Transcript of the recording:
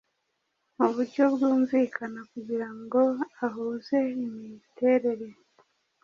muburyo bwumwuka kugirango ahuze imiterere